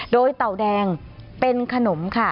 โดยเต่าแดงเป็นขนมค่ะ